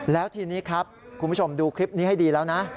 แล้วทีนี้ครับคุณผู้ชมดูคลิปนี้ให้ดีแล้วนะ